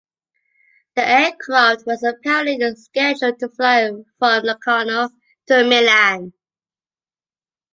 The aircraft was apparently scheduled to fly from Locarno to Milan.